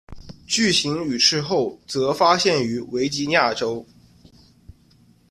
巨型羽翅鲎则发现于维吉尼亚州。